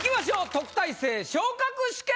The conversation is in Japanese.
「特待生昇格試験」！